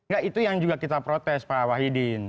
gak itu yang juga kita protes pak wahidin